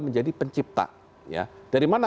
menjadi pencipta dari mana